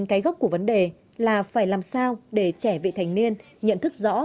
cái gốc của vấn đề là phải làm sao để trẻ vị thành niên nhận thức rõ